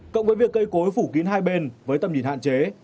cộng với việc cây cối phủ kín hai bên với tầm nhìn hạn chế